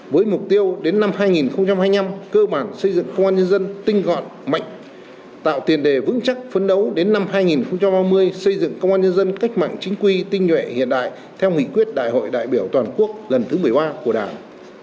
với mục tiêu đến năm hai nghìn hai mươi năm cơ bản xây dựng công an nhân dân tinh gọn mạnh tạo tiền đề vững chắc phấn đấu đến năm hai nghìn ba mươi xây dựng công an nhân dân cách mạng chính quy tinh nhuệ hiện đại theo nghị quyết đại hội đại biểu toàn quốc lần thứ một mươi ba của đảng